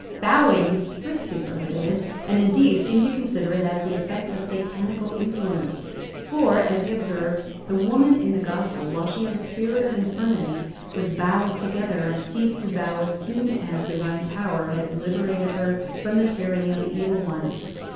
Bowing he strictly prohibited, and, indeed, seemed to consider it as the effect of Satanical influence; for, as he observed, the woman in the Gospel, while she had a spirit of infirmity, was bowed together, and ceased to bow as soon as Divine power had liberated her from the tyranny of the Evil One.